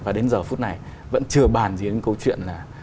và đến giờ phút này vẫn chưa bàn gì đến câu chuyện là